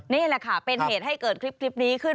นี่แหละค่ะเป็นเหตุให้เกิดคลิปนี้ขึ้น